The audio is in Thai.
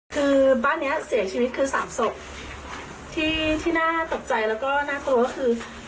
คือบ้านเนี้ยเสียชีวิตคือสามศพที่ที่น่าตกใจแล้วก็น่ากลัวก็คือ